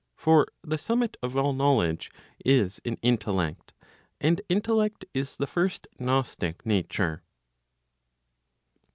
For the summit of all knowledge is in intellect. And intellect is the first gnostic nature.